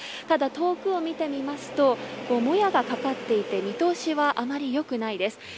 ただ、遠くを見てみますともやがかかっていて見通しはあまり良くないです。